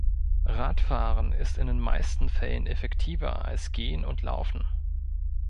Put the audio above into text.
Radfahren ist in den meisten Fällen effektiver als Gehen und Laufen.